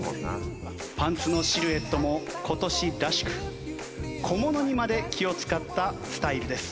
パンツのシルエットも今年らしく小物にまで気を使ったスタイルです。